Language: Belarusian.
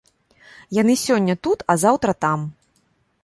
Яны сёння тут, а заўтра там.